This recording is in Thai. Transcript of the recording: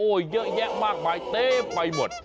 โอ้ยเยอะแยะมากมายเต้ไปหมด